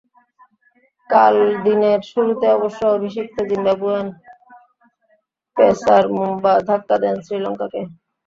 কাল দিনের শুরুতে অবশ্য অভিষিক্ত জিম্বাবুইয়ান পেসার মুম্বা ধাক্কা দেন শ্রীলঙ্কাকে।